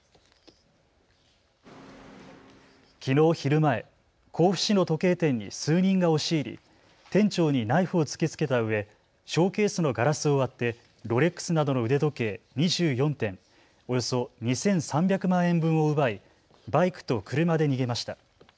きのう昼前、甲府市の時計店に数人が押し入り、店長にナイフを突きつけたうえショーケースのガラスを割ってロレックスなどの腕時計２４点、およそ２３００万円分を奪いバイクと車で逃げました。